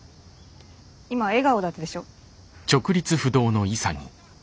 今笑顔だったでしょ？